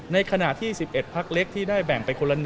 ในขณะที่๑๑พักเล็กที่ได้แบ่งไปคนละ๑